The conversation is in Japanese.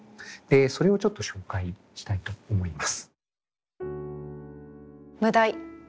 それをちょっと紹介したいと思います。